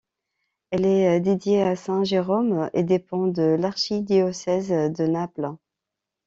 Elle est dédiée à saint Jérôme et dépend de l'archidiocèse de Naples.